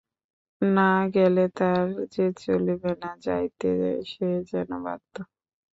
না গেলে তার যে চলিবে না, যাইতে সে যেন বাধ্য।